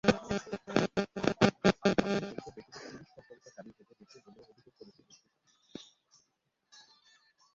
আড়ি পাতায় জড়িত ব্যক্তিদের পুলিশ তৎপরতা চালিয়ে যেতে দিয়েছে বলেও অভিযোগ করেছে কর্তৃপক্ষ।